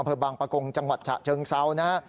บางประกงจังหวัดฉะเชิงเซานะฮะ